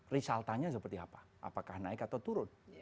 risaltanya seperti apa apakah naik atau turun